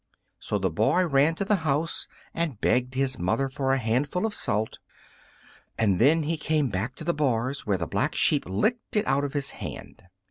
So the boy ran to the house and begged his mother for a handful of salt, and then he came back to the bars, where the Black Sheep licked it out of his hand.